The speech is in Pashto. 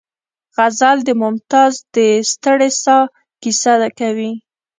غزل د ممتاز د ستړې ساه کیسه کوي